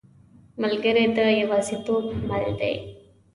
ملګری د یوازیتوب مل دی.